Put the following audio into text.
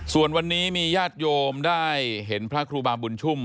ส่วนวันนี้มีญาติโยมได้เห็นพระครูบาบุญชุ่ม